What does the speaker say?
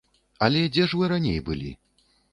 Але дзе ж вы раней былі?